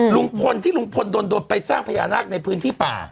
ลุงพลที่ลุงพลโดนไปสร้างพญานาคในพื้นที่ป่า